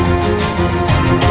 aku juga semua